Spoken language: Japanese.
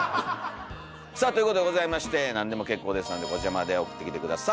さあということでございまして何でも結構ですのでこちらまで送ってきて下さい。